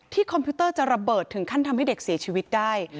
คอมพิวเตอร์จะระเบิดถึงขั้นทำให้เด็กเสียชีวิตได้